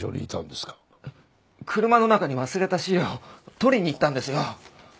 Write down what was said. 車の中に忘れた資料を取りに行ったんですよ。